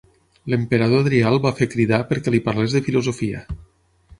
L'emperador Adrià el va fer cridar perquè li parlés de filosofia.